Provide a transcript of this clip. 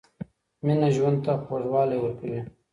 مینه ژوند ته خوږوالی ورکوي